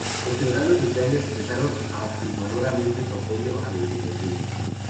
Los ciudadanos de Ucrania expresaron abrumadoramente su apoyo a la independencia.